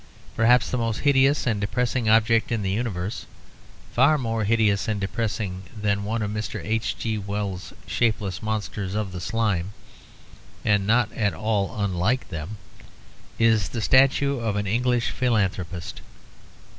Perhaps the most hideous and depressing object in the universe far more hideous and depressing than one of Mr. H.G. Wells's shapeless monsters of the slime (and not at all unlike them) is the statue of an English philanthropist.